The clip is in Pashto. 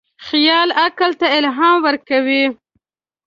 خیال عقل ته الهام ورکوي.